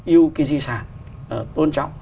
yêu cái di sản tôn trọng